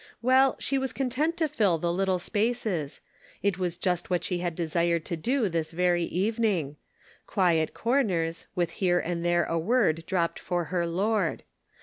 Well, she was content to fill the little spaces ; it was what she had desired to do this very evening. Quiet corners, with here and there a word dropped for her Lord.